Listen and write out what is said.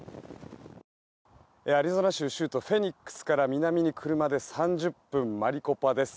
アリゾナ州州都フェニックスから南に車で３０分マリコパです。